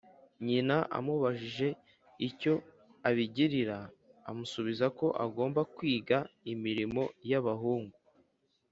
Nyina amubajije icyo abigirira, amusubiza ko agomba kwiga imirimo y'abahungu